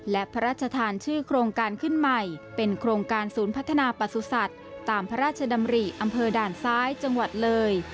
และพระราชทานชื่อโครงการขึ้นใหม่เป็นโครงการศูนย์พัฒนาประสุทธิ์ตามพระราชดำริอำเภอด่านซ้ายจังหวัดเลย